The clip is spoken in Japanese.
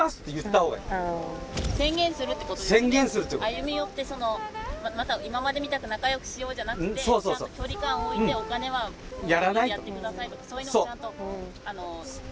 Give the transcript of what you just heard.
歩み寄ってまた今までみたく仲良くしようじゃなくてちゃんと距離感を置いてお金はもう自分でやってくださいとかそういうのをちゃんとあの。